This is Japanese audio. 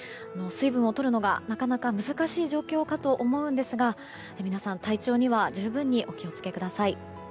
水分をとるのが、なかなか難しい状況かと思うんですが皆さん、体調には十分お気を付けください。